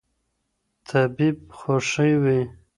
طبیب غوښي وې